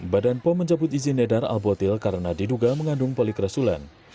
badan pom mencabut izin edar albotil karena diduga mengandung polikresulan